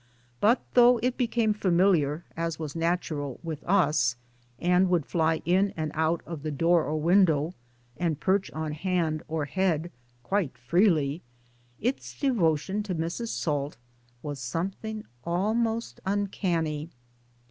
But though it became familiar, as was natural, with us, and would fly in and out of the door or window, and! perch on hand or head quite freely, its devotion; to Mrs. Salt was something almost uncanny.